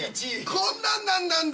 こんなんなんなんだ。